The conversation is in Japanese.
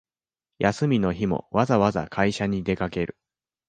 休みの日もわざわざ会社に出かける